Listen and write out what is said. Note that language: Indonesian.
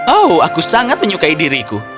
oh aku sangat menyukai diriku